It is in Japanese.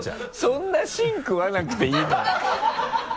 そんな芯食わなくていいのよ。